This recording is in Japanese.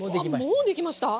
あもうできました